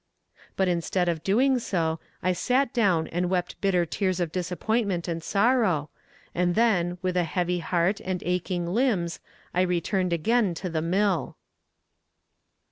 But instead of doing so, I sat down and wept bitter tears of disappointment and sorrow, and then, with a heavy heart and aching limbs, I returned again to the mill.